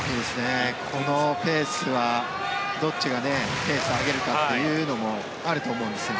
このペースはどっちがペースを上げるかというのもあると思うんですけど。